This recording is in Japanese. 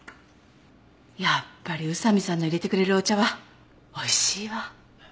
やっぱり宇佐見さんの淹れてくれるお茶はおいしいわ。